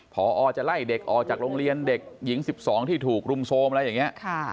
พอจะไล่เด็กออกจากโรงเรียนเด็กหญิง๑๒ที่ถูกรุมโทรมอะไรอย่างนี้